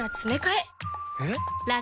えっ？